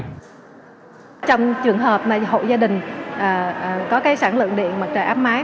trong trường hợp mà hộ gia đình có cái sản lượng điện mặt trời áp máy